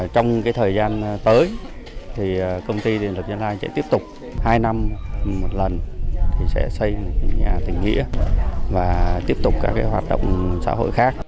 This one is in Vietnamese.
trong thời gian tới thì công ty điện lực nhà lai sẽ tiếp tục hai năm một lần xây nhà tình nghĩa